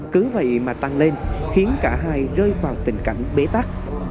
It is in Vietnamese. cứ vậy mà tăng lên khiến cả hai rơi vào tình cảnh bế tắc